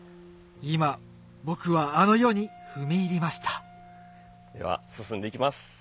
今僕はあの世に踏み入りましたでは進んでいきます。